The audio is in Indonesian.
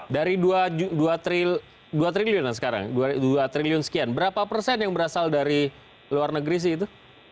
dari dua triliun sekian berapa persen yang berasal dari luar negeri sih itu